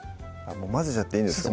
もう混ぜちゃっていいんですか？